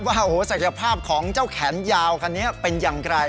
ว่าศักยภาพของเจ้าแขนยาวคันนี้เป็นอย่างไร